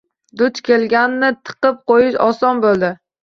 Duch kelganni tiqib qoʼyish oson boʼldi.